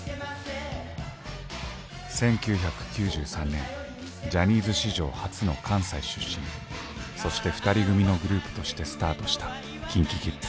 １９９３年ジャニーズ史上初の関西出身そして２人組のグループとしてスタートしたＫｉｎＫｉＫｉｄｓ。